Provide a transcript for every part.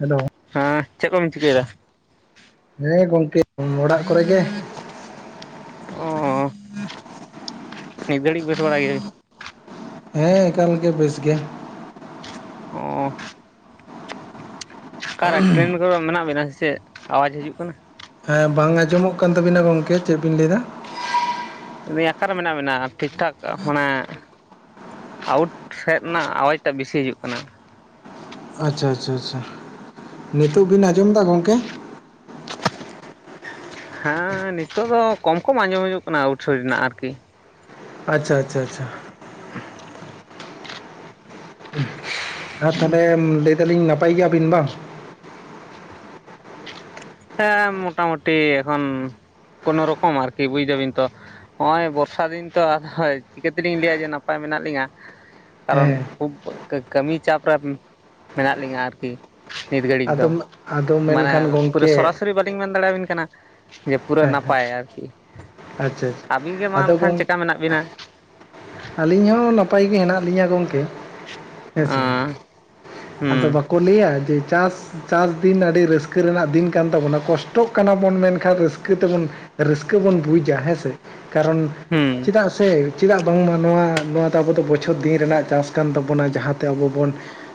Hello ᱦᱮᱸ ᱪᱮ ᱠᱚᱵᱮᱱ ᱪᱤᱠᱟᱹᱭᱮᱫᱟ? ᱦᱮᱸ ᱜᱚᱝᱠᱮ ᱚᱲᱟᱜ ᱠᱚᱨᱮ ᱜᱮ᱾ ᱚᱸᱻᱱᱤᱛ ᱜᱟᱲᱤ ᱵᱮᱥ ᱵᱟᱲᱟᱭ ᱜᱮᱻ᱾ ᱦᱮᱸᱻ ᱮᱠᱟᱞᱜᱮ ᱵᱮᱹᱥ ᱜᱮ᱾ ᱚᱸᱻ᱾ ᱟᱠᱟᱨᱮ ᱴᱨᱮᱹᱱ ᱠᱚᱨᱮ ᱢᱮᱱᱟᱜ ᱵᱤᱱᱟ ᱥᱮ ᱪᱮᱫ ᱟᱣᱟᱡᱽ ᱦᱤᱡᱩᱜ ᱠᱟᱱᱟ? ᱦᱮᱸ ᱵᱟᱝ ᱟᱸᱡᱚᱢᱚᱜ ᱠᱟᱱ ᱛᱟᱵᱤᱱᱟ ᱜᱚᱝᱠᱮ ᱪᱮᱫ ᱵᱤᱱ ᱞᱟᱹᱭ ᱮᱫᱟ? ᱨᱮᱹ ᱟᱠᱷᱟᱨᱮ ᱢᱮᱱᱟᱜ ᱵᱮᱱᱟ ᱴᱷᱤᱠ ᱴᱷᱟᱠ ᱢᱟᱱᱮᱼᱼ ᱟᱣᱩᱴ ᱥᱮᱫ ᱨᱮᱱᱟᱜ ᱟᱣᱟᱡᱽᱴᱟᱜ ᱵᱮᱥᱤ ᱦᱤᱡᱩᱜ ᱠᱟᱱᱟ᱾ ᱟᱪᱪᱷᱟ ᱟᱪᱪᱷᱟ ᱟᱪᱪᱷᱟ, ᱱᱤᱛᱚᱜ ᱵᱤᱱ ᱟᱸᱡᱚᱢ ᱫᱟ ᱜᱚᱝᱠᱮ? ᱦᱮᱸᱻᱱᱤᱛᱚᱜ ᱫᱚ ᱠᱚᱢ ᱠᱚᱢ ᱟᱸᱡᱚᱢ ᱦᱤᱡᱩᱜ ᱠᱟᱱᱟ ᱟᱣᱩᱴᱥᱳᱨ ᱨᱮᱱᱟᱜ ᱟᱨᱠᱤ᱾ ᱟᱪᱪᱷᱟ ᱟᱪᱪᱷᱟ ᱟᱪᱪᱷᱟ᱾ ᱟᱨ ᱛᱟᱦᱚᱞᱮ ᱞᱟᱹᱭ ᱫᱟᱞᱤᱧ ᱱᱟᱯᱟᱭ ᱜᱮᱭᱟᱵᱤᱱ ᱵᱟᱝ? ᱦᱮᱸᱻ ᱢᱳᱴᱟᱢᱩᱴᱤ ᱮᱠᱷᱚᱱ ᱠᱱᱳ ᱨᱚᱠᱚᱢ ᱟᱨᱠᱤ ᱵᱩᱡ ᱫᱟᱵᱤᱱ ᱛᱚ᱾ ᱦᱚᱸᱜ-ᱚᱭ ᱵᱚᱨᱥᱟ ᱫᱤᱱ ᱛᱚ ᱦᱳᱭ ᱪᱤᱠᱟᱹᱛᱮᱞᱤᱧ ᱞᱟᱹᱭᱟ ᱡᱮ ᱱᱟᱯᱟᱭ ᱢᱮᱱᱟᱜ ᱞᱤᱧᱟ᱾ ᱦᱮᱸ ᱠᱟᱨᱚᱱ ᱠᱷᱩᱵ ᱠᱟ-ᱠᱟᱹᱢᱤ ᱪᱟᱯ ᱨᱮ ᱢᱮᱱᱟᱜ ᱞᱤᱧᱟᱹ ᱟᱨᱠᱤ ᱱᱤᱛ ᱜᱷᱟᱹᱲᱤᱡ ᱫᱚ᱾ ᱟᱫᱚ ᱟᱫᱚ ᱢᱟᱱᱮ ᱢᱮᱱᱠᱷᱟᱱ ᱯᱩᱨᱟᱹᱣ ᱜᱚᱝᱠᱮ ᱥᱚᱨᱟ-ᱥᱚᱨᱤ ᱦᱮᱸ ᱵᱟᱹᱞᱤᱧ ᱢᱮᱱ ᱫᱟᱲᱮᱭᱟᱵᱤᱱ ᱠᱟᱱᱟ, ᱡᱮ ᱯᱩᱨᱟᱹ ᱦᱮᱸ ᱟᱪᱪᱷᱟ ᱱᱟᱯᱟᱭᱟ ᱟᱨᱠᱤ᱾ ᱟᱪᱪᱷᱟ ᱟᱹᱵᱤᱱ ᱜᱮ ᱢᱟ ᱟᱫᱚ ᱮᱱᱠᱷᱟᱱ ᱜᱚᱝ ᱪᱮᱠᱟ ᱢᱮᱱᱟᱜ ᱵᱤᱱᱟ? ᱟᱹᱞᱤᱧ ᱦᱚᱸᱻ ᱱᱟᱯᱟᱭ ᱜᱮ ᱦᱮᱸᱱᱟᱜ ᱞᱤᱧᱟ ᱜᱚᱢᱠᱮ᱾ ᱦᱮᱸᱥᱮ ᱦᱩᱸ ᱟᱫᱚ ᱦᱩᱸ ᱵᱟᱠᱚ ᱞᱟᱹᱭᱟ ᱡᱮ ᱪᱟᱥᱼᱼ ᱪᱟᱥ ᱫᱤᱱ ᱟᱹᱰᱤ ᱨᱟᱹᱥᱠᱟᱹ ᱨᱮᱱᱟᱜ ᱫᱤᱱ ᱠᱟᱱ ᱛᱟᱵᱚᱱᱟ ᱠᱚᱥᱴᱚᱜ ᱠᱟᱱᱟ ᱵᱚᱱ ᱢᱮᱱᱠᱷᱟᱱ ᱨᱟᱹᱥᱠᱟᱹ ᱛᱮᱵᱚᱱ ᱨᱟᱹᱥᱠᱟᱹ ᱵᱚᱱ ᱵᱩᱡ-ᱟ ᱦᱮᱸᱥᱮ, ᱠᱟᱨᱚᱱ ᱦᱩᱸ ᱪᱮᱫᱟᱜ ᱥᱮ ᱪᱮᱫᱟᱜ ᱵᱟᱝᱢᱟ ᱱᱚᱣᱟ ᱱᱚᱣᱟ ᱫᱚ ᱟᱵᱚ ᱫᱚ ᱵᱚᱪᱷᱚᱨ ᱫᱤᱱ ᱨᱮᱱᱟᱜ ᱪᱟᱥ ᱠᱟᱱ ᱛᱟᱵᱚᱱᱟ ᱡᱟᱦᱟᱸᱛᱮ ᱟᱵᱚ ᱵᱚᱱ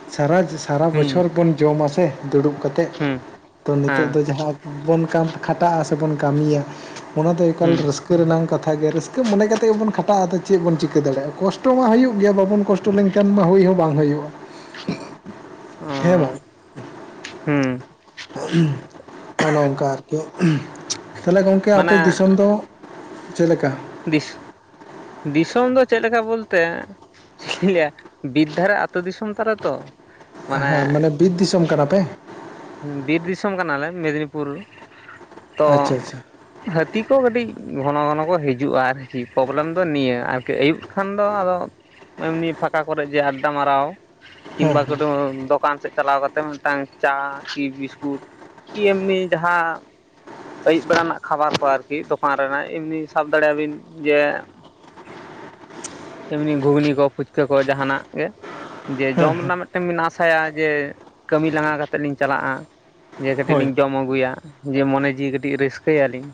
ᱥᱟᱨᱟ ᱥᱟᱨᱟ ᱵᱚᱪᱷᱚᱨ ᱵᱚᱱ ᱡᱚᱢ ᱥᱮ ᱫᱩᱲᱩᱵ ᱠᱟ ᱠᱟᱛᱮᱫ᱾ ᱦᱩᱸ ᱛᱚ ᱱᱤᱛᱚᱜ ᱦᱮᱸ ᱫᱚ ᱡᱟᱦᱟᱸ ᱵᱚᱱ ᱠᱷᱟᱱ ᱠᱷᱟᱴᱟᱜ-ᱟ ᱥᱮᱵᱚᱱ ᱠᱟᱢᱤᱭᱟ ᱚᱱᱟ ᱫᱚ ᱮᱠᱟᱞ ᱦᱩᱸ ᱨᱟᱹᱥᱠᱟᱹ ᱨᱮᱱᱟᱜ ᱠᱟᱛᱷᱟ ᱜᱮ, ᱨᱟᱹᱠᱟᱹ ᱢᱚᱱᱮ ᱠᱟᱛᱮᱜ ᱵᱚᱱ ᱠᱷᱟᱴᱟᱜ-ᱟ ᱟᱫᱚ ᱪᱮᱫ ᱵᱚᱱ ᱪᱤᱠᱟᱹ ᱫᱟᱲᱮᱭᱟᱜᱼᱟ ᱠᱚᱥᱴᱚ ᱢᱟ ᱦᱩᱭᱩᱜ ᱜᱮᱭᱟ ᱵᱟᱵᱚᱱ ᱠᱚᱥᱴᱚ ᱞᱮᱱᱠᱷᱟᱱ ᱢᱟ ᱦᱩᱭ ᱦᱚᱸ ᱵᱟᱝ ᱦᱩᱭᱩᱜᱼᱟ ᱾ ᱦᱮᱸ ᱚ ᱵᱟᱝ? ᱦᱩᱸ ᱚᱱᱚᱝᱠᱟ ᱟᱨᱠᱤ᱾ ᱛᱟᱦᱚᱞᱮ ᱜᱚᱝᱠᱮ ᱢᱟᱱᱮ ᱟᱯᱮ ᱫᱤᱥᱚᱢ ᱫᱚ ᱪᱮᱫᱮᱠᱟ? ᱫᱤᱥ ᱫᱤᱥᱚᱢ ᱫᱚ ᱪᱮᱫ ᱞᱮᱠᱟ ᱵᱚᱞᱛᱮ ᱪᱮᱫ ᱤᱧᱧ ᱞᱟᱹᱭᱟ ᱵᱤᱨᱫᱷᱟᱨᱮ ᱟ ᱟᱹᱛᱳ ᱫᱤᱥᱚᱢ ᱛᱟᱞᱮ ᱛᱚ ᱦᱮᱸ ᱢᱟᱱᱮ ᱵᱤᱨ ᱫᱤᱥᱚᱢ ᱠᱟᱱᱟ ᱯᱮ? ᱦᱩᱸ ᱵᱤᱨ ᱫᱤᱥᱚᱢ ᱠᱟᱱᱟᱞᱮ ᱢᱮᱫᱽᱱᱤᱯᱩᱨ ᱛᱚᱻ ᱟᱪᱪᱷᱟ ᱟᱪᱪᱷᱟ ᱦᱟᱹᱛᱤ ᱠᱚ ᱠᱟᱹᱴᱤᱡ ᱜᱷᱚᱱᱚ ᱜᱷᱚᱱᱚ ᱠᱚ ᱦᱤᱡᱼᱼᱼ ᱦᱤᱡᱩᱜ-ᱟ ᱟᱨᱠᱤ, ᱯᱨᱚᱵᱞᱮᱢ ᱫᱚ ᱱᱤᱭᱟᱹ᱾ ᱟᱨᱠᱤ ᱟᱹᱭᱩᱵ ᱞᱮ ᱠᱷᱟᱱ ᱫᱚ ᱟᱫᱚ ᱮᱢᱱᱤ ᱯᱷᱟᱸᱠᱟ ᱠᱚᱨᱜ ᱡᱮᱹ ᱟᱰᱟ ᱢᱟᱨᱟᱣ ᱦᱮᱸ ᱠᱤᱢᱵᱟ ᱦᱮᱸ ᱫᱚᱻᱫᱚᱠᱟᱱ ᱥᱮᱫ ᱪᱟᱞᱟᱣ ᱠᱟᱛᱮᱫ ᱢᱤᱫᱴᱟᱝ ᱪᱟ ᱠᱤ ᱵᱤᱥᱠᱩᱴ ᱠᱤ ᱮᱢᱱᱤ ᱡᱟᱦᱟᱸ ᱟᱹᱭᱩᱵ ᱵᱮᱲᱟ ᱨᱮᱱᱟᱜ ᱠᱷᱟᱵᱟᱨ ᱠᱚ ᱟᱨᱠᱤ ᱛᱚᱯᱟᱱ ᱨᱮᱱᱟᱜ ᱮᱢᱱᱤ ᱥᱟᱵ ᱫᱟᱲᱮᱭᱟᱵᱤᱱ ᱡᱮ ᱮᱢᱱᱤ ᱜᱷᱩᱜᱽᱱᱤ ᱠᱚ, ᱯᱷᱩᱪᱠᱟᱹ ᱠᱚ ᱡᱟᱦᱟᱱᱟᱜ ᱜᱮ᱾ ᱡᱮ ᱦᱮᱸ ᱡᱚᱢ ᱨᱮᱱᱟᱜ ᱢᱤᱫᱴᱮᱱ ᱵᱤᱱ ᱟᱥ-ᱟᱭᱟ ᱡᱮ ᱠᱟᱹᱢᱤ ᱞᱟᱸᱜᱟ ᱠᱟᱛᱮᱫ ᱞᱤᱧ ᱪᱟᱞᱟᱜ-ᱟ ᱡᱮ ᱠᱟᱹᱴᱤᱡ ᱦᱳᱭ ᱞᱤᱧ ᱡᱚᱢ ᱟᱹᱜᱩᱭᱟ ᱡᱮ ᱢᱚᱱᱮ ᱡᱤᱣᱤ ᱠᱟᱹᱴᱤᱡ ᱨᱟᱹᱥᱠᱟᱹᱭᱟᱞᱤᱧ,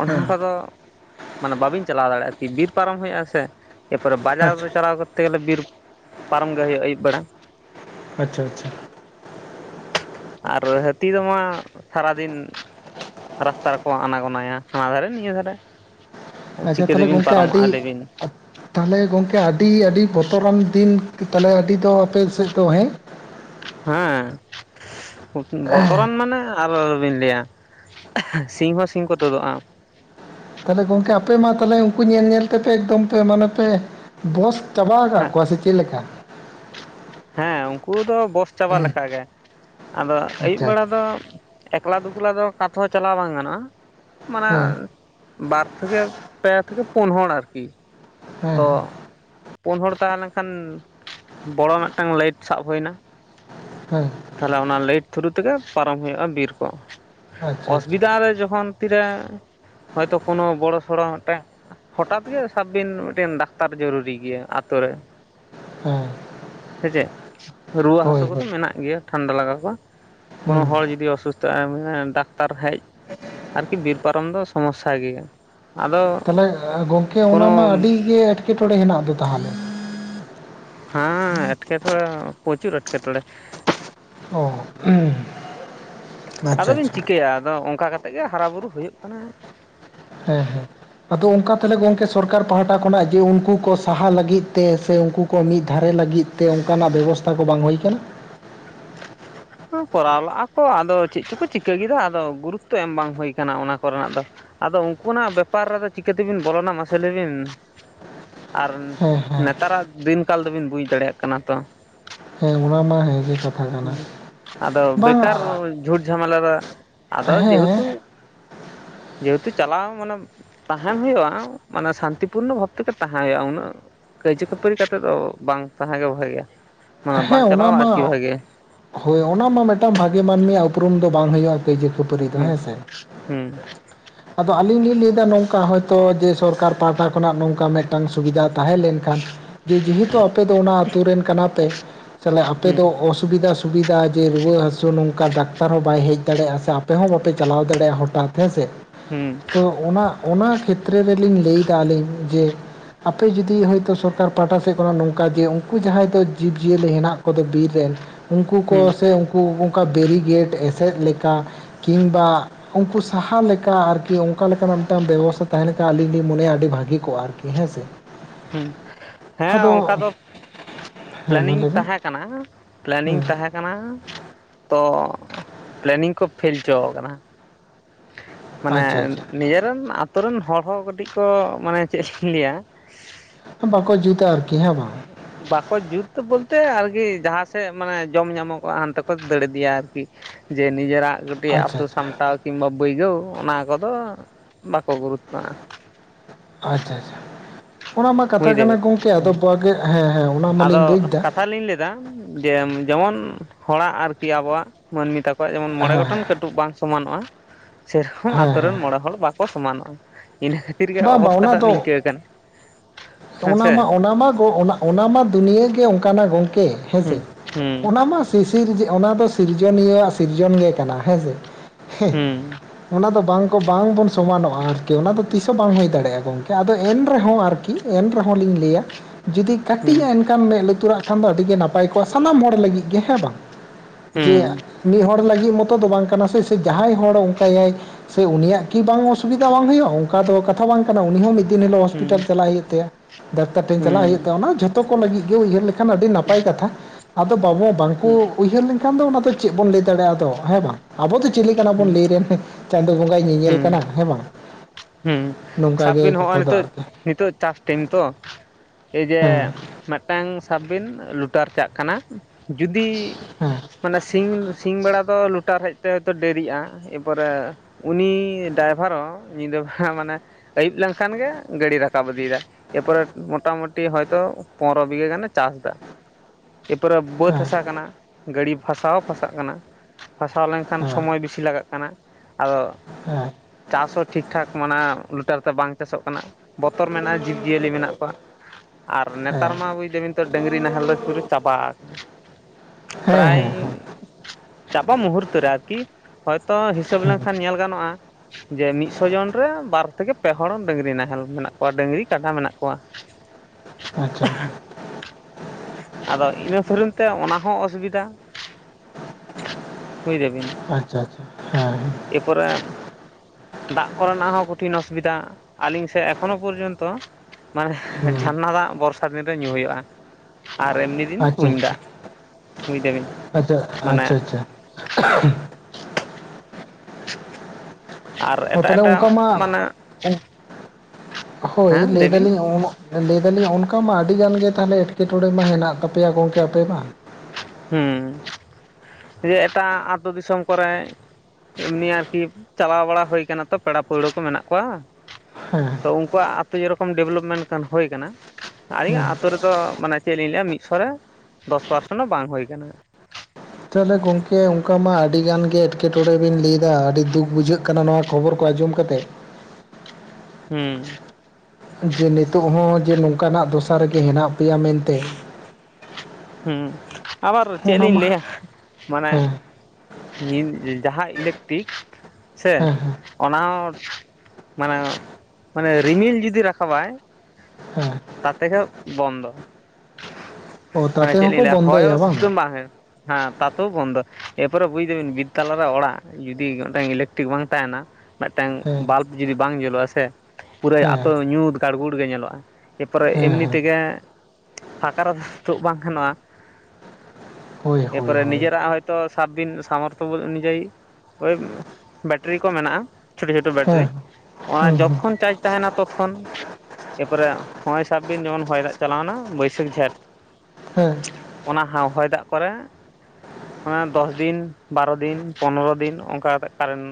ᱚᱱᱟ ᱦᱮᱸ ᱠᱚᱫᱚ ᱢᱟᱱᱮ ᱵᱟᱹᱵᱤᱱ ᱪᱟᱞᱟᱣ ᱫᱟᱲᱮᱭᱟᱜ-ᱟᱨᱠᱤ ᱵᱤᱨ ᱯᱟᱨᱚᱢ ᱦᱩᱭᱩᱜ-ᱟ ᱥᱮ᱾ ᱮᱯᱚᱨᱮ ᱵᱟᱡᱟᱨ ᱟᱪᱪᱷᱟ ᱨᱮ ᱪᱟᱞᱟᱣ ᱠᱚᱨᱛᱮ ᱜᱮᱞᱮ ᱵᱤᱨᱼ ᱯᱟᱨᱚᱢ ᱜᱮ ᱦᱩᱭᱩᱜ-ᱟ ᱟᱹᱭᱩᱵ ᱵᱮᱲᱟ᱾ ᱟᱪᱪᱷᱟ ᱟᱪᱪᱷᱟ᱾ ᱟᱨ ᱦᱟᱹᱛᱤ ᱫᱚᱢᱟ ᱥᱟᱨᱟᱫᱤᱱ, ᱨᱟᱥᱛᱟ ᱨᱮᱠᱚ ᱟᱱᱟᱜᱚᱱᱟᱭᱟ ᱦᱟᱱᱟ ᱫᱷᱟᱨᱮ ᱱᱤᱭᱟᱹ ᱫᱷᱟᱨᱮ ᱟᱪᱪᱷᱟ ᱛᱟᱦᱚᱞᱮ ᱪᱤᱠᱟᱹᱛᱮᱵᱤᱱ ᱜᱚᱝᱠᱮ ᱟᱹᱰᱤ ᱯᱟᱨᱚᱢᱚᱜᱼᱟ ᱞᱟᱹᱭ ᱵᱤᱱ ᱛᱟᱦᱚᱞᱮ ᱜᱚᱝᱠᱮ ᱟᱹᱰᱤ ᱟᱹᱰᱤ ᱵᱚᱛᱚᱨᱟᱱ ᱫᱤᱱ ᱛᱟᱦᱚᱞᱮ ᱟᱹᱰᱤ ᱫᱚ ᱟᱯᱮ ᱥᱮᱫ ᱫᱚ ᱦᱮᱸ ᱦᱮᱸ, ᱵᱚᱛᱚᱨᱟᱱ ᱢᱟᱱᱮ ᱟᱨ ᱟᱞᱚᱵᱤᱱ ᱞᱟᱹᱭᱟ ᱥᱤᱧ ᱦᱚᱸᱥᱤᱧ ᱠᱚ ᱛᱩᱫᱚᱜᱼᱟ᱾ ᱛᱟᱦᱚᱞᱮ ᱜᱚᱢᱠᱮ ᱟᱯᱮ ᱢᱟ ᱛᱟᱦᱞᱮ ᱩᱱᱠᱩ ᱧᱮᱞ ᱧᱮᱞ ᱛᱮᱯᱮ ᱮᱠᱫᱚᱢ ᱯᱮ ᱢᱟᱱᱮ ᱯᱮ ᱵᱚᱥ ᱪᱟᱵᱟ ᱟᱠᱟᱜ ᱦᱮᱸ ᱠᱚᱣᱟ ᱥᱮ ᱪᱮᱜ ᱞᱮᱠᱟ? ᱦᱮᱸ ᱩᱱᱠᱩ ᱫᱚ ᱵᱚᱥ ᱪᱟᱵᱟ ᱞᱮᱠᱟᱜ ᱜᱮ᱾ ᱟᱫᱚ ᱟᱹᱭᱩᱵ ᱟᱪᱪᱷᱟ ᱵᱮᱲᱟ ᱟᱪᱪᱷᱟ ᱫᱚ ᱮᱠᱞᱟᱫᱩᱠᱞᱟ ᱫᱚ ᱚᱠᱟᱛᱮ ᱦᱚᱸ ᱪᱟᱞᱟᱣ ᱵᱟᱝ ᱜᱟᱱᱚᱜ-ᱟ ᱢᱟᱱᱮ ᱦᱮᱸ ᱵᱟᱨ ᱛᱷᱮᱠᱮ ᱯᱮ ᱛᱷᱮᱠᱮ ᱯᱩᱱ ᱦᱚᱲ ᱟᱨᱠᱤ ᱦᱮᱸ ᱦᱮᱸ ᱛᱚ ᱯᱩᱱ ᱦᱚᱲ ᱛᱟᱦᱮᱸ ᱞᱮᱱ ᱠᱷᱟᱱ ᱵᱚᱲᱚ ᱢᱤᱜᱴᱟᱝ ᱞᱟᱹᱭᱤᱴ ᱥᱟᱵ ᱦᱩᱭᱱᱟ᱾ ᱦᱮᱸ, ᱛᱟᱦᱚᱞᱮ ᱚᱱᱟ ᱞᱟᱹᱭᱤᱴ ᱛᱷᱨᱩ ᱛᱮᱜᱮ ᱯᱟᱨᱚᱢ ᱦᱩᱭᱩᱜ-ᱟ ᱵᱤᱨ ᱠᱚ ᱟᱪᱪᱷᱟ ᱟᱪᱪᱷᱟ ᱚᱥᱩᱵᱤᱫᱟ ᱨᱮ ᱡᱚᱠᱷᱚᱱ ᱛᱤ ᱨᱮ ᱦᱚᱳᱭᱛᱚ ᱠᱳᱱᱳ ᱵᱚᱲᱚ ᱥᱚᱲᱚ ᱢᱤᱜᱴᱟᱝ ᱦᱚᱴᱟᱛ ᱜᱮ ᱥᱟᱵ ᱵᱤᱱ ᱢᱤᱜᱴᱮᱱ ᱰᱟᱠᱛᱟᱨ ᱡᱚᱨᱩᱨᱤ ᱜᱮᱭᱟ ᱟᱛᱳ ᱨᱮᱱ᱾ ᱦᱮᱸ ᱥᱮ ᱪᱮᱜ ᱨᱩᱣᱟᱹ ᱦᱟᱹᱥᱩ ᱦᱳᱭ ᱠᱚᱫᱚ ᱦᱳᱭ ᱢᱮᱱᱟᱜ ᱜᱮᱭᱟ ᱴᱷᱟᱱᱰᱟ ᱞᱟᱜᱟᱣ ᱠᱚᱣᱟ ᱠᱳᱱᱳ ᱦᱩᱸ ᱦᱚᱲ ᱡᱩᱫᱤ ᱚᱥᱩᱥᱛᱷᱚᱜ-ᱟ ᱢᱟᱱᱮ ᱰᱟᱠᱛᱟᱨ ᱦᱮᱡ ᱟᱨᱠᱤ ᱵᱤᱨ ᱯᱟᱨᱚᱢ ᱫᱚ ᱥᱚᱢᱚᱥᱟ ᱜᱮᱭᱟ᱾ ᱟᱫᱚ ᱛᱟᱦᱚᱞᱮ ᱜᱚᱝᱠᱮ ᱚᱱᱟ ᱠᱳᱱᱳ ᱢᱟ ᱟᱹᱰᱤ ᱜᱮ ᱮᱴᱠᱮᱴᱚᱬᱮ ᱦᱮᱱᱟᱜ ᱫᱚ ᱛᱟᱦᱚᱞᱮ ᱦᱮᱸ ᱮᱸᱴᱠᱮᱴᱚᱬᱮ ᱯᱚᱪᱩᱨ ᱮᱸᱴᱠᱮᱴᱚᱬᱮ᱾ ᱦᱚ ᱟᱫᱚᱵᱤᱱ ᱪᱤᱠᱟᱹᱭᱟ ᱟᱫᱚ ᱚᱱᱠᱟ ᱠᱟᱛᱮᱫ ᱜᱮ ᱦᱟᱨᱟ ᱵᱩᱨᱩ ᱦᱩᱭᱩᱜ ᱠᱟᱱᱟ᱾ ᱦᱮᱸ ᱦᱮᱸ᱾ ᱟᱫᱚ ᱚᱱᱠᱟ ᱛᱟᱦᱚᱞᱮ ᱜᱚᱝᱠᱮ ᱥᱚᱨᱠᱟᱨ ᱯᱟᱦᱟᱴᱟ ᱠᱷᱚᱱᱟᱜ ᱡᱮ ᱩᱱᱠᱩ ᱠᱚ ᱥᱟᱦᱟ ᱞᱟᱹᱜᱤᱫ ᱛᱮ ᱥᱮ ᱩᱱᱠᱩ ᱠᱚ ᱢᱤᱫ ᱫᱷᱟᱨᱮ ᱞᱟᱹᱜᱤᱫ ᱛᱮ ᱚᱱᱠᱟᱱᱟᱜ ᱵᱮᱵᱚᱥᱛᱷᱟ ᱠᱚ ᱵᱟᱝ ᱦᱩᱭ ᱠᱟᱱᱟ? ᱦᱚ ᱠᱚᱨᱟᱣ ᱞᱟᱜ-ᱟ ᱠᱚ ᱟᱫᱚ ᱪᱮᱜ ᱪᱚᱠᱚ ᱪᱤᱠᱟᱹ ᱠᱮᱫᱟ ᱟᱫᱚ ᱜᱩᱨᱩᱛᱛᱚ ᱮᱢ ᱵᱟᱝ ᱦᱩᱭ ᱠᱟᱱᱟ ᱚᱱᱟ ᱠᱚᱨᱮᱱᱟᱜ ᱫᱚ᱾ ᱟᱫᱚ ᱩᱱᱠᱩᱱᱟᱜ ᱵᱮᱯᱟᱨ ᱨᱮᱫᱚ ᱪᱤᱠᱟᱹ ᱛᱮᱵᱤᱱ ᱵᱚᱞᱚᱱᱟ ᱢᱟᱥᱮ ᱞᱟᱹᱭ ᱵᱤᱱ? ᱟᱨ ᱦᱮᱸ ᱦᱮᱸ ᱱᱮᱛᱟᱨᱟᱜ ᱫᱤᱱ ᱠᱟᱞ ᱫᱚᱵᱤᱱ ᱵᱩᱡᱽ ᱫᱟᱲᱮᱭᱟᱜ ᱠᱟᱱᱟ ᱛᱚ ᱦᱮᱸ ᱚᱱᱟ ᱢᱟ ᱦᱮᱸ ᱜᱮ ᱠᱟᱛᱷᱟ ᱠᱟᱱᱟ ᱟᱫᱚ ᱵᱟᱝ ᱵᱮᱠᱟᱨ ᱡᱷᱩᱴ ᱡᱷᱟᱢᱮᱞᱟ ᱨᱮ ᱟᱫᱚ ᱦᱮᱸ ᱡᱮᱦᱮᱛᱩ, ᱡᱮᱦᱮᱛᱩ ᱪᱟᱞᱟᱼᱟ ᱢᱟᱱᱮᱢ ᱛᱟᱦᱮᱸᱱ ᱦᱩᱭᱩᱜ-ᱟ ᱢᱟᱱᱮ ᱥᱟᱱᱛᱤᱯᱩᱨᱱᱚ ᱵᱷᱟᱵᱽ ᱛᱮᱜᱮ ᱛᱟᱦᱮᱸᱱ ᱦᱩᱭᱩᱜ-ᱟ᱾ ᱩᱱᱟᱹᱜ ᱠᱟᱹᱭᱡᱟᱹ ᱠᱷᱟᱹᱯᱟᱹᱨᱤ ᱠᱟᱛᱮᱜ ᱫᱚ ᱵᱟᱝ ᱛᱟᱦᱮᱸ ᱜᱮ ᱵᱷᱟᱹᱜᱮᱭᱟ᱾ ᱦᱮᱸ ᱚᱱᱟᱢᱟ ᱦᱳᱭ ᱚᱱᱟ ᱢᱟ ᱢᱤᱜᱴᱟᱝ ᱵᱷᱟᱜᱮ ᱢᱟᱹᱱᱢᱤᱭᱟᱜ ᱩᱯᱨᱩᱢ ᱫᱚ ᱵᱟᱝ ᱦᱩᱭᱩᱜ-ᱟ ᱠᱟᱹᱡᱟᱹ ᱠᱚ᱾ ᱦᱩᱸ ᱦᱩᱸ ᱟᱫᱚ ᱟᱹᱞᱤᱧ ᱞᱤᱧ ᱞᱟᱹᱭ ᱫᱟ ᱱᱚᱝᱠᱟ ᱦᱚᱭᱛᱳ ᱡᱮ ᱥᱚᱨᱠᱟᱨ ᱯᱟᱦᱟᱴᱟ ᱠᱷᱚᱱᱟᱜ ᱱᱚᱝᱠᱟ ᱢᱤᱜᱴᱟᱝ ᱥᱩᱵᱤᱫᱷᱟ ᱛᱟᱦᱮᱸ ᱞᱮᱱᱠᱷᱟᱱ ᱡᱮ ᱡᱮᱦᱮᱛᱩ ᱟᱯᱮ ᱫᱚ ᱚᱱᱟ ᱟᱹᱛᱩ ᱨᱮᱱ ᱠᱟᱱᱟ ᱯᱮ ᱪᱟᱞᱮ ᱟᱯᱮ ᱦᱮᱸ ᱫᱚ ᱚᱥᱩᱵᱤᱫᱟᱥ ᱥᱩᱵᱤᱫᱷᱟ ᱡᱮ ᱨᱩᱣᱟᱹ ᱦᱟᱹᱥᱩ ᱱᱚᱝᱠᱟ ᱰᱟᱠᱛᱟᱨ ᱦᱚᱸ ᱵᱟᱭ ᱦᱮᱡ ᱫᱟᱲᱮᱭᱟᱜ-ᱟ ᱥᱮ ᱟᱯᱮ ᱦᱚᱸ ᱵᱟᱯᱮ ᱪᱟᱞᱟᱣ ᱫᱟᱲᱮᱭᱟᱜ-ᱟ ᱦᱚᱴᱟᱛ ᱦᱮᱸᱥᱮ ᱦᱩᱸ᱾ ᱛᱚ ᱚᱱᱟ ᱚᱱᱟ ᱠᱷᱮᱛᱨᱮ ᱨᱮᱞᱤᱧ ᱞᱟᱹᱭᱫᱟ ᱟᱹᱞᱤᱧ ᱡᱮ ᱟᱯᱮ ᱡᱩᱫᱤ ᱦᱚᱭᱛᱳ ᱥᱚᱨᱠᱟᱨ ᱯᱟᱦᱴᱟ ᱥᱮᱫ ᱠᱷᱚ ᱱᱚᱝᱠᱟ ᱡᱮ ᱩᱱᱠᱩ ᱡᱟᱦᱟᱸᱭ ᱫᱚ ᱡᱤᱵᱽ-ᱡᱤᱭᱟᱹᱞᱤ ᱢᱮᱱᱟᱜᱮ ᱠᱚᱫᱚ ᱵᱤᱨ ᱨᱮᱱ ᱩᱱᱠᱩ ᱠᱚ ᱦᱮᱸ ᱥᱮ ᱠᱚ ᱚᱱᱠᱟ ᱵᱮᱨᱤᱜᱮᱴ ᱮᱥᱮᱫ ᱞᱮᱠᱟ ᱠᱤᱝᱵᱟ ᱩᱱᱠᱩ ᱥᱟᱦᱟ ᱞᱮᱠ, ᱠᱟ ᱟᱨᱠᱤ ᱚᱱᱠᱟ ᱞᱮᱠᱟᱱᱟᱜ ᱢᱤᱫᱴᱟᱝ ᱵᱮᱵᱚᱥᱛᱟᱷᱟ ᱛᱟᱦᱮ ᱞᱮᱱᱠᱷᱟᱱ ᱟᱞᱤᱧ ᱞᱤᱧ ᱢᱚᱱᱮᱭᱟ ᱟᱹᱰᱤ ᱵᱷᱟᱹᱜᱤ ᱠᱚᱜ-ᱟ ᱟᱨᱠᱤ ᱦᱮᱸ ᱥᱮ᱾ ᱦᱩᱸ ᱦᱮᱸ ᱟᱫᱚ ᱚᱝᱠᱟ ᱫᱚ ᱦᱮᱸ ᱢᱟ ᱯᱞᱮᱱᱤᱝ ᱞᱟᱹᱭ ᱢᱮ ᱛᱟᱦᱮᱸ ᱠᱟᱱᱟ ᱯᱞᱮᱱᱤᱝ ᱦᱩᱸ ᱛᱟᱦᱮᱸ ᱠᱟᱱᱟ ᱛᱚ ᱯᱞᱮᱱᱤᱝ ᱠᱚ ᱯᱷᱮᱞ ᱦᱚᱪᱚ ᱟᱠᱟᱫᱟ᱾ ᱢᱟᱱᱮ ᱟᱪᱪᱷᱟ ᱟᱪᱪᱷᱟ ᱱᱤᱡᱮᱨᱮᱱ ᱟᱛᱳ ᱨᱮᱱ ᱦᱚᱲ ᱦᱚᱸ ᱠᱟᱹᱴᱤᱡ ᱠᱚ ᱢᱟᱱᱮ ᱪᱮᱫ ᱞᱤᱧ ᱞᱟᱹᱭ-ᱟ, ᱵᱟᱠᱚ ᱡᱩᱛ-ᱟ ᱟᱨᱠᱤ ᱦᱮᱸ ᱵᱟᱝ? [inaudible] ᱵᱟᱠᱚ ᱡᱩᱛ ᱛᱚ ᱵᱚᱞᱛᱮ ᱟᱨᱠᱤ ᱡᱟᱦᱟᱸ ᱥᱮᱜ ᱢᱟᱱᱮ ᱡᱚᱢ ᱧᱟᱢᱚᱜᱚᱜ-ᱟ ᱦᱟᱱᱛᱮ ᱠᱚ ᱫᱟᱹᱲ ᱤᱫᱤᱭᱟ ᱟᱨᱠᱤ᱾ ᱡᱮ ᱱᱤᱡᱮᱨᱟᱜ, [unintelligible] ᱟᱪᱪᱷᱟ ᱟᱹᱛᱳ ᱟᱪᱪᱷᱟ ᱥᱟᱢᱴᱟᱣ ᱠᱤᱢᱵᱟ ᱵᱟᱹᱭᱜᱟᱹᱣ ᱚᱱᱟ ᱠᱚᱫᱚ ᱵᱟᱠᱚ ᱜᱩᱨᱩᱛᱛᱚ-ᱟ᱾ ᱟᱪᱪᱷᱟ ᱟᱪᱪᱷᱟ ᱚᱱᱟᱢᱟ ᱵᱩᱡ ᱠᱟᱛᱷᱟ ᱠᱟᱱᱟ ᱫᱟᱹᱵᱤᱱ ᱜᱚᱝᱠᱮ ᱟᱫᱚ ᱵᱟᱜᱮ ᱦᱮᱸ ᱦᱮᱸ᱾ ᱚᱱᱟ ᱢᱟᱞᱤᱧ ᱵᱩᱡᱽ ᱟᱫᱚ ᱮᱫᱟ ᱠᱟᱛᱷᱟ ᱨᱮᱞᱤᱧ ᱞᱟᱹᱭᱟ ᱡᱮ ᱡᱮᱢᱚᱱ ᱦᱚᱲᱟᱜ ᱟᱨᱠᱤ ᱟᱵᱚᱣᱟᱜ, ᱢᱟᱹᱱᱢᱤ ᱛᱟᱠᱚᱣᱟᱜ ᱡᱮᱢᱚᱱ ᱢᱚᱬᱮ ᱦᱮᱸ ᱦᱮᱸ ᱜᱚᱴᱟᱝ ᱠᱟᱹᱴᱩᱵ ᱵᱟᱝ ᱥᱚᱢᱟᱱᱚᱜᱼᱟ ᱥᱮᱨᱚᱠᱚᱢ ᱦᱮᱸ ᱟᱛᱳ ᱨᱮᱱ ᱦᱮᱸ ᱢᱚᱬᱮ ᱦᱚᱲ ᱵᱟ ᱠᱚ ᱥᱚᱢᱟᱱᱚᱜᱼᱟ ᱤᱱᱟᱹ᱾ ᱜᱮ ᱵᱟᱝ ᱵᱟᱝ ᱚᱱᱟ ᱚᱵᱚᱥᱛᱷᱟᱴᱟᱜ ᱫᱚ ᱱᱤᱝᱠᱟᱹ ᱟᱠᱟᱱᱟ ᱦᱮᱸ ᱚᱱᱟ ᱥᱮ ᱢᱟ ᱚᱱᱟ ᱢᱟ ᱜᱚ ᱚᱱᱟ, ᱚᱱᱟ ᱢᱟ ᱫᱩᱱᱭᱟᱹ ᱜᱮ ᱚᱱᱠᱟᱱᱟ ᱜᱚᱝᱠᱮ ᱦᱩᱸ ᱦᱮᱸᱥᱮ ᱦᱩᱸ ᱚᱱᱟ ᱢᱟ, ᱥᱤᱥᱤᱨᱡ ᱚᱱᱟ ᱫᱚ ᱥᱤᱨᱡᱚᱱᱤᱭᱟᱹᱣᱟᱜ ᱥᱤᱨᱡᱚᱱ ᱜᱮ ᱠᱟᱱᱟ ᱦᱮᱸᱥᱮ᱾ ᱦᱮ ᱦᱩᱸ ᱚᱱᱟ ᱫᱚ ᱵᱟᱝᱠᱚ ᱵᱟᱝᱵᱚᱱ ᱥᱚᱢᱟᱱᱚᱜᱼᱟ ᱟᱨᱠᱤ ᱚᱱᱟ ᱫᱚ ᱛᱤᱥᱦᱚᱸ ᱵᱟᱝ ᱦᱳᱭ ᱫᱟᱲᱮᱭᱟᱜᱼᱟ ᱜᱚᱝᱠᱮ ᱟᱫᱚ ᱮᱱ ᱨᱮᱦᱚᱸ ᱟᱨᱠᱤ ᱮᱱ ᱨᱮᱦᱚᱸ ᱞᱤᱧ ᱞᱟᱹᱭᱟ ᱡᱩᱫᱤ ᱦᱩᱸ ᱠᱟᱹᱴᱤᱡ ᱮᱱᱠᱷᱟ ᱮᱡ ᱢᱮᱜ ᱞᱩᱛᱩᱨᱟᱜ ᱠᱷᱟᱱ ᱫᱚ ᱟᱹᱰᱤ ᱜᱮ ᱱᱟᱯᱟᱭ ᱠᱚᱜᱼᱟ ᱥᱟᱱᱟᱢ ᱦᱚᱲ ᱞᱟᱹᱜᱤᱫ ᱜᱮ ᱦᱮᱸ ᱵᱟᱝ ᱡᱮ, ᱦᱩᱸ ᱢᱤᱜ ᱦᱚᱲ ᱞᱟᱹᱜᱤᱜ ᱢᱚᱛᱚ ᱫᱚ ᱵᱟᱝ ᱠᱟᱱᱟ ᱥᱮ ᱥᱮ ᱡᱟᱦᱟᱸᱭ ᱦᱚᱲ ᱚᱱᱠᱟᱭᱟᱭ, ᱥᱮ ᱩᱱᱤᱭᱟᱜ ᱠᱤ ᱵᱟᱝ ᱚᱥᱩᱵᱤᱫᱟ ᱵᱟᱝ ᱦᱩᱭᱩᱜ-ᱟ ᱚᱝ ᱚᱠᱟ ᱫᱚ ᱠᱟᱛᱷᱟ ᱵᱟᱝ ᱠᱟᱱᱟ ᱩᱱᱤ ᱦᱚᱸ ᱢᱤᱫ ᱫᱤᱱ ᱦᱤᱞᱳᱜ ᱦᱩᱸ ᱦᱚᱥᱯᱤᱴᱟᱞ ᱪᱟᱞᱟᱜ ᱦᱩᱭᱩᱜ ᱛᱟᱭᱟ ᱰᱟᱠᱛᱟᱨ ᱴᱷᱮᱱ ᱦᱩᱸ ᱪᱟᱞᱟᱜ ᱦᱩᱭᱩᱜ ᱛᱟᱭᱟ ᱚᱱᱟ ᱡᱷᱚᱛ ᱛᱮ ᱠᱚ ᱞᱟᱹᱜᱤᱜ ᱜᱮ ᱩᱭᱦᱟᱹᱨ ᱞᱮᱠᱷᱟᱱ ᱟᱹᱰᱤ ᱱᱟᱯᱟᱭ ᱠᱟᱛᱷᱟ ᱟᱫᱚ ᱵᱟᱵᱚ ᱵᱟᱝᱠᱚ ᱩᱭᱦᱟᱹᱨ ᱞᱮ ᱠᱷᱟᱱ ᱫᱚ ᱚᱱᱟ ᱫᱚ ᱪᱮᱜ ᱵᱚᱱ ᱞᱟᱹᱭ ᱫᱟᱲᱮᱭᱟᱜᱼᱟ ᱟᱫᱚ ᱦᱮᱸ ᱵᱟᱝ ᱟᱵᱚ ᱫᱚ ᱪᱮᱞᱮ ᱠᱟᱱᱟ ᱵᱚᱱ ᱦᱩᱸ ᱦᱩᱸ ᱞᱟᱹᱭ ᱨᱮᱱ᱾ ᱪᱟᱸᱫᱳ ᱵᱚᱸᱜᱟᱭ ᱧᱮᱧᱮᱞ ᱦᱩᱸ ᱠᱟᱱᱟ ᱦᱮᱸ ᱵᱟᱝ? ᱦᱩᱸ ᱱᱚᱝᱠᱟ ᱥᱟᱵ ᱜᱮ ᱵᱤᱱ ᱦᱚᱸᱜᱼᱚ ᱠᱟᱛᱷᱟ ᱫᱚ ᱱᱤᱛᱳᱜ, ᱟᱨᱠᱤ ᱱᱤᱛᱳᱜ ᱪᱟᱥ ᱴᱤᱢ ᱛᱚ ᱮᱭ ᱡᱮ ᱦᱮᱸ ᱢᱮᱫᱴᱮᱝ ᱥᱟᱵ ᱵᱤᱱ ᱞᱩᱴᱟᱨᱪᱟᱜ ᱠᱟᱱᱟ ᱡᱩᱫᱤ, ᱦᱮᱸ ᱢᱟᱱᱮ ᱥᱤᱧ ᱥᱤᱧ ᱵᱮᱲᱟ ᱫᱚ ᱞᱩᱴᱟᱨ ᱦᱮᱡ ᱛᱮ ᱦᱭᱛᱚ ᱰᱮᱨᱤᱜᱼᱟ ᱮᱯᱚᱨᱮ, ᱩᱱᱤ ᱰᱟᱭᱵᱷᱟᱨ ᱦᱚᱸ ᱧᱤᱫᱟᱹᱲᱟ ᱦᱟᱜ ᱢᱟᱱᱮ ᱟᱹᱭᱩᱵ ᱞᱮᱱᱠᱷᱟᱱ ᱜᱮ ᱜᱟᱹᱲᱤ ᱨᱟᱠᱟᱵ ᱤᱫᱤᱭᱮᱫᱟᱭ᱾ ᱮᱯᱚᱨᱮ ᱢᱳᱴᱟᱢᱩᱴᱤ ᱦᱚᱭᱛᱚ ᱯᱚᱱᱨᱚ ᱵᱤᱜᱷᱟᱹ ᱜᱟᱱᱮ ᱪᱟᱥ ᱫᱟ᱾ ᱮᱨᱯᱚᱨᱮ ᱵᱟᱹᱫᱽ ᱦᱮᱸ ᱦᱮᱸ ᱦᱮᱸ ᱦᱟᱥᱟ ᱠᱟᱱᱟ᱾ ᱜᱟᱹᱲᱤ ᱵᱷᱟᱥᱟᱣ ᱦᱚᱸ ᱯᱷᱟᱥᱟᱜ ᱠᱟᱱᱟ ᱯᱷᱟᱥᱟᱣ ᱞᱮᱱᱠᱷᱟᱱ ᱥᱚᱢᱚᱭ ᱵᱤᱥᱤ ᱞᱟᱜᱟᱜ ᱠᱟᱱᱟ ᱟᱫᱚ, ᱪᱟᱥ [unintelligible] ᱴᱷᱤᱠ ᱴᱷᱟᱠ ᱢᱟᱱᱟ ᱞᱩᱴᱟᱨ ᱛᱮ ᱵᱟᱝ ᱪᱟᱥᱚᱜ ᱠᱟᱱᱟ ᱵᱚᱛᱚᱨ ᱢᱮᱱᱟᱜᱼᱟ ᱡᱤᱵᱽᱼᱡᱤᱭᱟᱹᱞᱤ ᱢᱮᱱᱟᱜ ᱠᱚᱣᱟ᱾ ᱟᱨ ᱱᱮᱛᱟᱨ ᱢᱟ ᱵᱩᱡᱽ ᱫᱟᱹᱵᱤᱱ ᱛᱚ ᱰᱟᱹᱝᱨᱤ ᱱᱟᱦᱮᱞ ᱫᱚ ᱯᱩᱨᱟᱹ ᱪᱟᱵᱟ ᱟᱠᱟᱱᱟ᱾ ᱦᱮᱸ ᱯᱨᱟᱭ, ᱦᱮᱸ ᱦᱮᱸ ᱪᱟᱵᱟ ᱢᱩᱦᱩᱨᱛᱚ ᱨᱮ ᱟᱨᱠᱤ ᱦᱚᱭᱛᱚ ᱦᱤᱥᱟᱹᱵ ᱦᱮᱸ ᱞᱮᱱᱠᱷᱟᱱ ᱧᱮᱞ ᱜᱟᱱᱚᱜᱼᱟ ᱡᱮ ᱢᱤᱫ ᱥᱚᱡᱚᱱ ᱨᱮ ᱵᱟᱨ ᱛᱷᱮᱠᱮ ᱯᱮ ᱦᱚᱲ ᱰᱟᱹᱝᱨᱤ ᱱᱟᱦᱮᱞ ᱢᱮᱱᱟᱜ ᱠᱚᱣᱟ ᱰᱟᱹᱝᱨᱤ ᱠᱟᱰᱟ ᱢᱮᱱᱟᱜ ᱠᱚᱣᱟ᱾ ᱟᱪᱪᱷᱟ [unintelligible] ᱟᱫᱚ ᱤᱱᱟᱹ ᱯᱷᱨᱮᱧ ᱛᱮ ᱚᱱᱟ ᱦᱚᱸ ᱚᱥᱩᱵᱤᱫᱟ᱾ ᱦᱩᱭ ᱫᱟᱵᱤᱱ᱾ ᱟᱪᱪᱷᱟ ᱟᱪᱪᱷᱟ ᱦᱮᱸ ᱦᱮ᱾ ᱮᱯᱚᱨᱮᱱ, ᱫᱟᱜ ᱠᱚᱨᱮᱱᱟᱜ ᱦᱚᱸ ᱠᱚᱴᱷᱤᱱ ᱚᱥᱩᱵᱤᱫᱷᱟ ᱟᱹᱞᱤᱧ ᱥᱮᱫ ᱮᱠᱷᱚᱱᱳ ᱯᱚᱨᱡᱚᱱᱛᱚ ᱢᱟᱱᱮ ᱦᱮᱸ ᱡᱷᱟᱨᱱᱟ ᱫᱟᱜ ᱵᱚᱨᱥᱟ ᱫᱤᱱ ᱨᱮ ᱧᱩ ᱦᱩᱭᱩᱜᱼᱟ ᱟᱨ ᱮᱢᱱᱤ ᱫᱤᱱ ᱟᱪᱪᱷᱟ ᱠᱩᱧ ᱫᱟᱜ ᱵᱩᱡᱽ ᱫᱟᱹᱵᱤᱱ ᱟᱪᱪᱷᱟ ᱢᱟᱱᱮ ᱟᱪᱪᱷᱟ ᱟᱪᱪᱷᱟ ᱟᱪᱪᱷᱟ᱾ ᱟᱨ ᱮᱴᱟᱜ ᱛᱟᱦᱚᱞᱮ ᱮᱴᱟᱜ ᱚᱱᱠᱟ ᱢᱟ ᱢᱟᱱᱮ, ᱚᱝ- ᱦᱳᱭ ᱦᱮᱸ ᱞᱟᱹᱭ ᱵᱤᱱ ᱞᱟᱹᱭᱫᱟᱞᱤᱧ ᱩᱢᱩ ᱞᱟᱹᱭ ᱫᱟᱞᱤᱧ ᱚᱱᱠᱟ ᱢᱟ ᱟᱹᱰᱤ ᱜᱟᱱ ᱜᱮ ᱛᱟᱦᱚᱞᱮ ᱮᱴᱠᱮᱴᱚᱬᱮ ᱢᱟ ᱦᱮᱱᱟᱜ ᱛᱟᱯᱮᱭᱟ ᱜᱚᱢᱠᱮ ᱟᱯᱮ ᱢᱟ᱾ ᱦᱩᱸ ᱡᱮ ᱮᱴᱟᱜ ᱟᱛᱳ ᱫᱤᱥᱚᱢ ᱠᱚᱨᱮ᱾ ᱮᱢᱱᱤ ᱟᱨᱠᱤ ᱪᱟᱞᱟᱣ ᱵᱟᱲᱟ ᱦᱳᱭ ᱠᱟᱱᱟ ᱛᱚ ᱯᱮᱲᱟ ᱯᱟᱹᱲᱦᱟᱹ ᱠᱚ ᱢᱮᱱᱟᱜ ᱠᱚᱣᱟ᱾ ᱦᱮᱸ᱾ ᱛᱚ ᱩᱱᱠᱩᱣᱟᱜ ᱟᱛᱳ ᱡᱮᱨᱚᱠᱚᱢ ᱰᱮᱵᱷᱞᱚᱯᱢᱮᱱᱴ ᱦᱳᱭ ᱠᱟᱱᱟ ᱟᱞᱤᱧᱟ ᱦᱩᱸ ᱟᱛᱳ ᱨᱮ ᱫᱚ ᱢᱟᱱᱮ ᱪᱮᱫ ᱞᱤᱧ ᱞᱟᱹᱭᱟ ᱢᱤᱫᱥᱚ ᱨᱮ ᱫᱚᱥ ᱯᱟᱨᱥᱮᱱ ᱦᱚᱸ ᱵᱟᱝ ᱦᱳᱭ ᱠᱟᱱᱟ᱾ ᱛᱟᱦᱚᱞᱮ ᱜᱚᱝᱠᱮ ᱚᱱᱠᱟ ᱢᱟ ᱟᱹᱰᱤ ᱜᱟᱱ ᱜᱮ ᱮᱴᱠᱮᱴᱚᱬᱮ ᱵᱤᱱ ᱞᱟᱹᱭ ᱫᱟ ᱟᱹᱰᱤ ᱫᱩᱠ ᱵᱩᱡᱷᱟᱹᱜ ᱠᱟᱱᱟ ᱱᱚᱣᱟ ᱠᱷᱚᱵᱚᱨ ᱠᱚ ᱟᱸᱡᱚᱢ ᱠᱟᱛᱮ ᱦᱩᱸ, ᱡᱮ ᱱᱤᱛᱚᱜ ᱦᱚᱸ ᱡᱮ ᱱᱚᱝᱠᱟᱱᱟᱜ ᱫᱚᱥᱟ ᱨᱮᱜᱮ ᱦᱮᱱᱟᱜ ᱯᱮᱭᱟ ᱢᱮᱱᱛᱮ, ᱦᱩᱸ ᱟᱵᱟᱨ ᱪᱮᱫ ᱚᱱᱟ ᱞᱤᱧ ᱢᱟ ᱞᱟᱹᱭᱟ ᱢᱟᱱᱮ, ᱦᱮᱸ ᱡᱟᱦᱟᱸ ᱤᱞᱮᱠᱴᱤᱠ ᱥᱮ, ᱦᱮᱸ ᱦᱮᱸ ᱚᱱᱟ ᱦᱚᱸ ᱢᱟᱱᱮ ᱢᱟᱱᱮ ᱨᱤᱢᱤᱞ ᱡᱩᱫᱤ ᱨᱟᱠᱟᱵᱟᱭ᱾ ᱦᱮᱸ᱾ ᱛᱟ ᱛᱷᱮᱠᱮᱣ ᱵᱚᱱᱫᱚ ᱚ ᱢᱟᱱᱮ ᱛᱟᱛᱮ ᱪᱮᱫ ᱞᱤᱧ ᱦᱚᱸᱠᱚ ᱞᱟᱹᱭᱟ ᱦᱚᱭ ᱵᱚᱱᱫᱚᱭᱟ ᱦᱚᱸ ᱥᱩᱫᱫᱟᱹ ᱵᱟᱝ ᱦᱳᱭᱳᱜ᱾ ᱦᱮᱸ ᱛᱟᱛᱮᱣ ᱵᱚᱱᱫᱚ ᱮᱯᱚᱨᱮ ᱵᱩᱡ ᱫᱟᱵᱤᱱ ᱵᱤᱨᱛᱟᱞᱟ ᱨᱮ ᱚᱲᱟᱜ ᱡᱩᱫᱤ ᱢᱤᱫᱴᱟᱝ ᱤᱞᱮᱠᱴᱨᱤᱠ ᱵᱟᱝ ᱛᱟᱦᱮᱱᱟ᱾ ᱢᱤᱫᱴᱟᱝ ᱦᱮᱸ ᱵᱟᱞᱵ ᱡᱩᱫᱤ ᱵᱟᱝ ᱡᱳᱞᱳᱜᱼᱟ ᱥᱮ ᱯᱩᱨᱟᱹ ᱟᱛᱳ ᱦᱮᱸ ᱧᱩᱛ ᱜᱟᱲᱜᱩᱲ ᱜᱮ ᱧᱮᱞᱚᱜᱼᱟ᱾ ᱮᱨᱯᱚᱨᱮ ᱦᱮᱸ ᱮᱢᱱᱤ ᱦᱮᱸ ᱛᱮᱜᱮ ᱯᱷᱟᱸᱠᱟ ᱨᱮᱫᱚ ᱛᱳᱫ ᱵᱟᱝ ᱜᱟᱱᱚᱜᱼᱟ, ᱦᱳᱭ ᱦᱳᱭ ᱮᱨᱯᱚᱨᱮ ᱦᱳᱭ ᱱᱤᱡᱮᱨᱟᱜ ᱦᱚᱭ ᱛᱚ ᱥᱟᱛᱫᱤᱱ ᱥᱟᱢᱚᱨᱛᱷᱚ ᱚᱱᱩᱡᱟᱭᱤ ᱳᱭ ᱵᱮᱴᱨᱤ ᱠᱚ ᱢᱮᱱᱟᱜᱼᱟ᱾ ᱪᱷᱳᱴᱳ ᱪᱷᱳᱴᱳ ᱵᱮᱴᱨᱤ ᱦᱮᱸ ᱚᱱᱟ ᱦᱩᱸ ᱦᱩᱸ ᱡᱚᱠᱷᱚᱱ ᱪᱟᱨᱡᱽ ᱛᱟᱦᱮᱱᱟ ᱛᱚᱠᱷᱚᱱ ᱮᱨᱯᱚᱨᱮ ᱦᱚᱸᱜᱼᱚᱭ ᱥᱟᱵ ᱵᱤᱱ ᱡᱮᱢᱚᱱ ᱦᱚᱭ ᱫᱟᱜ ᱪᱟᱞᱟᱣᱮᱱᱟ ᱵᱟᱹᱭᱥᱟᱹᱠᱷ ᱡᱷᱮᱸᱴ᱾ ᱦᱮᱸ᱾ ᱚᱱᱟ ᱦᱟᱸᱣ ᱦᱚᱭ ᱫᱟᱜ ᱠᱚᱨᱮ, ᱢᱟᱱᱮ ᱫᱚᱥ ᱫᱤᱱ, ᱵᱟᱨᱚ ᱫᱤᱱ, ᱯᱚᱱᱨᱚ ᱫᱤᱱ ᱚᱝᱠᱟ ᱠᱟᱛᱮ ᱠᱟᱨᱮᱱ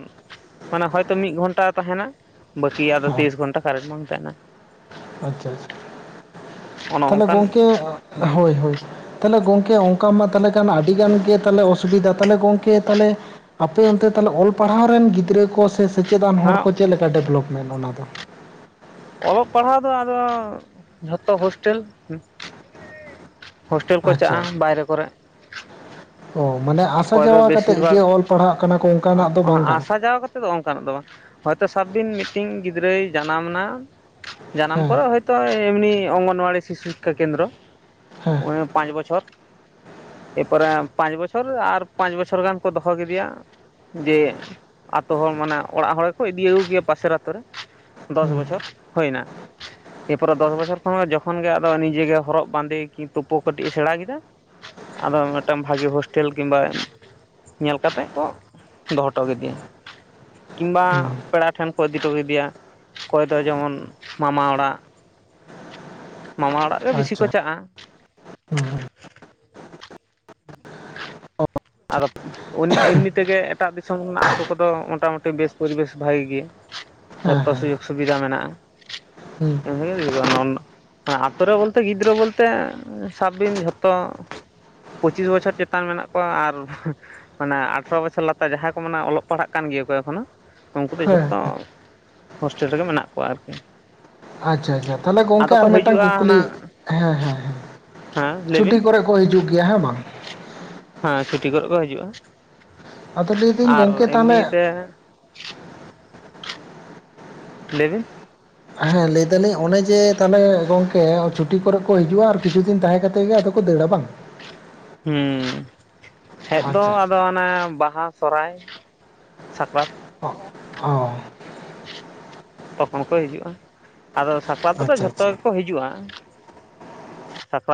ᱢᱟᱱᱮ ᱦᱚᱭᱛᱳ ᱢᱤᱫ ᱜᱷᱚᱱᱴᱟ ᱛᱟᱦᱮᱱᱟ ᱵᱟᱹᱠᱤ ᱟᱫᱚ ᱦᱮᱸ ᱛᱤᱭᱤᱥ ᱜᱷᱚᱱᱴᱟ ᱠᱟᱨᱮᱱ ᱵᱟᱝ ᱛᱟᱦᱮᱱᱟ᱾ ᱟᱪᱪᱷᱟ᱾ ᱚᱱᱮ ᱛᱟᱦᱞᱮ ᱚᱱᱠᱟᱱ ᱜᱚᱝᱠᱮ ᱦᱳᱭ ᱦᱳᱭ᱾ ᱛᱟᱦᱞᱮ ᱜᱚᱝᱠᱮ ᱚᱝᱠᱟ ᱢᱟ ᱛᱟᱦᱞᱮ ᱠᱷᱟᱱ ᱟᱹᱰᱤ ᱜᱟᱱ ᱜᱮ ᱛᱟᱦᱞᱮ ᱚᱥᱩᱵᱤᱫᱷᱟ ᱛᱟᱦᱞᱮ ᱜᱚᱝᱠᱮ ᱛᱟᱦᱚᱞᱮ ᱟᱯᱮ ᱚᱱᱛᱮ ᱛᱟᱦᱚᱞᱮ ᱚᱞ ᱯᱟᱲᱦᱟᱣ ᱨᱮᱱ ᱜᱤᱫᱽᱨᱟᱹ ᱠᱚ ᱥᱮ ᱥᱮᱪᱮᱫ ᱟᱱ ᱦᱚᱲ ᱦᱟᱸᱜ ᱠᱚ ᱪᱮᱫ ᱞᱮᱠᱟ ᱰᱮᱵᱷᱞᱚᱯᱢᱮᱱ ᱚᱱᱟ ᱫᱚ? ᱚᱞᱚᱜ ᱯᱟᱲᱦᱟᱣ ᱫᱚ ᱟᱫᱚ ᱡᱷᱚᱛᱚ ᱦᱳᱥᱴᱮᱞ᱾ ᱦᱳᱥᱴᱮᱞ ᱠᱚ ᱟᱪᱪᱷᱟ ᱪᱟᱜᱼᱟ ᱵᱟᱭᱨᱮ ᱠᱚᱨᱮᱜ᱾ ᱚ ᱢᱟᱱᱮ ᱟᱥᱟ ᱫᱚ ᱡᱟᱣᱟ ᱠᱟᱛᱮᱜ ᱵᱮᱥᱤᱨ ᱵᱷᱟᱜᱽ ᱡᱮ ᱚᱞ ᱯᱟᱲᱦᱟᱜ ᱠᱟᱱᱟ ᱠᱚ ᱚᱱᱠᱟᱱᱟᱜ ᱫᱚ ᱵᱟᱝ ᱠᱟᱱᱟ᱾ ᱚᱝᱠᱟᱱᱟᱜ ᱫᱚ ᱵᱟᱝ ᱦᱚᱭᱛᱚ ᱥᱟᱵ ᱵᱤᱱ ᱢᱤᱫᱴᱤᱝ ᱜᱤᱫᱽᱨᱟᱹᱭ ᱡᱟᱱᱟᱢ ᱱᱟ ᱡᱟᱱᱟᱢ ᱦᱮᱸ ᱯᱚᱨᱮ ᱦᱳᱭ ᱛᱚ ᱮᱢᱱᱤ ᱚᱝᱜᱚᱱᱣᱟᱲᱤ ᱥᱤᱥᱩ ᱥᱤᱠᱠᱷᱟ ᱠᱮᱱᱫᱨ ᱦᱮᱸ ᱯᱟᱸᱪ ᱵᱚᱪᱷᱚᱨ ᱮᱨᱯᱚᱨᱮ ᱯᱟᱸᱪ ᱵᱚᱪᱷᱚᱨ ᱟᱨ ᱯᱟᱸᱪ ᱵᱚᱪᱷᱚᱨ ᱜᱟᱱ ᱠᱚ ᱫᱚᱦᱚ ᱠᱮᱫᱮᱭᱟ᱾ ᱡᱮ ᱟᱛᱳ ᱦᱚᱲ ᱢᱟᱱᱮ ᱚᱲᱟᱜ ᱦᱚᱲ ᱜᱮᱠᱚ ᱤᱫᱤ ᱟᱹᱜᱩ ᱠᱮᱭᱟ ᱯᱟᱥᱮᱨ ᱟ ᱛᱳ ᱨᱮ ᱫᱚᱥ ᱦᱩᱸ ᱵᱚᱪᱷᱚᱨ ᱦᱳᱭ ᱱᱟ᱾ ᱮ ᱯᱚᱨᱮ ᱫᱚᱥ ᱵᱚᱪᱷᱚᱨ ᱠᱷᱚᱱ ᱦᱚᱸ ᱡᱚᱠᱷᱚᱱ ᱜᱮ ᱟᱫᱚ ᱱᱤᱡᱮᱜᱮ ᱦᱚᱨᱚᱜ ᱵᱟᱸᱫᱮ ᱠᱤ ᱛᱳᱯᱳ ᱠᱟᱹᱴᱤᱡ ᱮ ᱥᱮᱬᱟ ᱠᱮᱫᱟ ᱟᱫᱚ ᱢᱤᱫᱴᱟᱝ ᱵᱷᱟᱜᱮ ᱦᱳᱥᱴᱮᱞ ᱠᱤᱝᱵᱟ ᱧᱮᱞ ᱠᱟᱛᱮ ᱠᱚ ᱫᱚᱦᱚ ᱦᱚᱴᱚ ᱠᱮᱫᱮᱭᱟᱹᱧ ᱠᱤᱝᱵᱟ ᱦᱩᱸ ᱯᱮᱲᱟ ᱴᱷᱮᱱ ᱠᱚ ᱤᱫᱤ ᱦᱚᱴᱚ ᱠᱮᱫᱮᱭᱟ, ᱚᱠᱚᱭ ᱫᱚ ᱡᱮᱢᱚᱱ ᱢᱟᱢᱟ ᱚᱲᱟᱜ᱾ ᱢᱟᱢᱟ ᱚᱲᱟᱜ ᱜᱮ ᱵᱤᱥᱤ ᱠᱚ ᱟᱪᱪᱷᱟ ᱪᱟᱜᱼᱟ᱾ ᱦᱩᱸ ᱦᱩᱸ ᱟᱫᱚ ᱩᱱ ᱮᱢᱱᱤ ᱛᱮᱜᱮ ᱮᱴᱟᱜ ᱫᱤᱥᱚᱢ ᱨᱮᱱᱟᱜ ᱟᱛᱳ ᱠᱚᱫᱚ ᱢᱚᱴᱟᱢᱩᱴᱤ ᱵᱮᱥ ᱯᱚᱨᱤᱵᱮᱥ ᱵᱷᱟᱜᱮ ᱜᱮ, ᱦᱮᱸ ᱡᱷᱚᱛᱚ ᱦᱮᱸ ᱥᱩᱡᱳᱜᱽ ᱥᱩᱵᱤᱫᱟ ᱢᱮᱱᱟᱜᱼᱟ᱾ ᱦᱩᱸ᱾ [unintelligible] ᱟᱛᱳ ᱨᱮ ᱵᱚᱞᱛᱮ ᱜᱤᱫᱽᱨᱟᱹ ᱵᱚᱞᱛᱮ ᱥᱟᱵ ᱵᱤᱱ ᱡᱷᱚᱛᱚ ᱯᱚᱸᱪᱤᱥ ᱵᱟᱪᱷᱚᱨ ᱪᱮᱛᱟᱱ ᱢᱮᱱᱟᱜ ᱠᱚᱣᱟ ᱟᱨ ᱢᱟᱱᱮ ᱟᱴᱷᱨᱚ ᱵᱚᱪᱷᱚᱨ ᱞᱟᱛᱟᱨ ᱡᱟᱦᱟᱸᱭ ᱠᱚ ᱢᱟᱱᱮ ᱚᱞᱚᱜ ᱯᱟᱲᱦᱟᱜ ᱠᱟᱱ ᱜᱮᱭᱟ ᱠᱚ ᱮᱠᱷᱚᱱᱳ, ᱩᱱᱠᱩ ᱫᱚ ᱦᱮᱸ ᱡᱷᱚᱛᱚ ᱦᱮᱸ ᱦᱳᱥᱴᱮᱞ ᱨᱮᱜᱮ ᱢᱮᱱᱟᱜ ᱠᱚᱣᱟ ᱟᱨᱠᱤ᱾ ᱟᱪᱪᱷᱟ ᱟᱪᱪᱷᱟ ᱛᱟᱦᱞᱮ ᱟᱫᱚ ᱜᱚᱝᱠᱮ ᱟᱨ ᱠᱚ ᱢᱤᱫᱴᱟᱝ ᱦᱤᱡᱩᱜᱼᱟ ᱦᱟᱱᱟ ᱠᱩᱠᱞᱤ, ᱦᱮᱸ ᱦᱮᱸ ᱦᱮᱸ ᱦᱮᱸ ᱪᱷᱩᱴᱤ ᱞᱟᱹᱭᱵᱤᱱ ᱠᱚᱨᱮᱜ ᱠᱚ ᱦᱤᱡᱩᱜ ᱜᱮᱭᱟ ᱦᱮᱸ ᱵᱟᱝ? ᱦᱮᱸ ᱪᱷᱩᱴᱤ ᱠᱚᱨᱮᱜ ᱠᱚ ᱦᱤᱡᱩᱜᱼᱟ, ᱟᱫᱚ ᱞᱟᱹᱭᱫᱟᱹᱧ ᱟᱨ ᱜᱚᱝᱠᱮ ᱛᱟᱦᱚᱞᱮ ᱮᱢᱱᱤ ᱛᱮ ᱞᱮᱭ ᱵᱤᱱ᱾ ᱦᱮᱸ ᱞᱮᱭ ᱫᱟᱞᱤᱧ ᱚᱱᱮ ᱡᱮ ᱛᱟᱦᱚᱞᱮ ᱜᱚᱝᱠᱮ ᱪᱷᱩᱴᱤ ᱠᱚᱨᱮᱜ ᱠᱚ ᱦᱤᱡᱩᱜᱼᱟ ᱟᱨ ᱠᱤᱪᱷᱩ ᱫᱤᱱ ᱛᱟᱦᱮᱸ ᱠᱟᱛᱮ ᱜᱮ ᱟᱫᱚ ᱠᱚ ᱫᱟᱹᱲᱟ ᱵᱟᱝ? ᱦᱩᱸ, ᱦᱮᱡ ᱫᱚ ᱟᱪᱪᱷᱟ ᱟᱫᱚ ᱟᱪᱪᱷᱟ ᱦᱟᱱᱮ ᱵᱟᱦᱟ ᱥᱚᱦᱨᱟᱭ, ᱥᱟᱠᱨᱟᱛ᱾ ᱚ᱾ ᱛᱚᱠᱷᱚᱱ ᱠᱚ ᱦᱤᱡᱩᱜᱼᱟ ᱟᱫᱚ ᱥᱟᱠᱨᱟᱛᱚ ᱨᱮ ᱟᱪᱪᱷᱟ ᱡᱷᱚᱛᱚ ᱟᱪᱪᱷᱟ ᱜᱮᱠᱚ ᱦᱤᱡᱩᱜᱼᱟ᱾ ᱥᱟᱠᱨᱟᱛ